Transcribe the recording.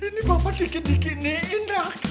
ini bapak dikini kini enak